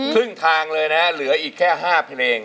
ครึ่งทางเลยนะเหลืออีกแค่๕เพลง